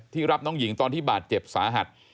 รับน้องหญิงตอนที่บาดเจ็บสาหัส